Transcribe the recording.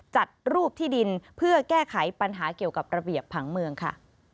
จัดรูปที่ดินเพื่อแก้ไขปัญหาเกี่ยวกับระเบียบผังเมืองค่ะ